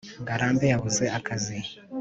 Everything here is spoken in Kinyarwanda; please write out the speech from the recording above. ngarambe yabuze akazi